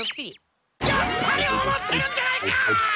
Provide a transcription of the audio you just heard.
やっぱり思ってるんじゃないか！